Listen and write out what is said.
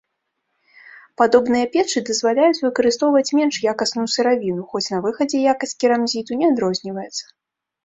Падобныя печы дазваляюць выкарыстоўваць менш якасную сыравіну, хоць на выхадзе якасць керамзіту не адрозніваецца.